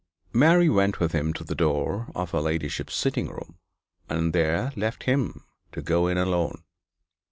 Mary went with him to the door of her ladyship's sitting room, and there left him to go in alone.